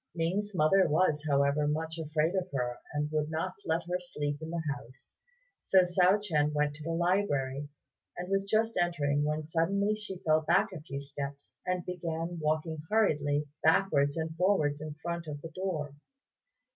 Ning's mother was, however, much afraid of her, and would not let her sleep in the house; so Hsiao ch'ien went to the library, and was just entering when suddenly she fell back a few steps, and began walking hurriedly backwards and forwards in front of the door.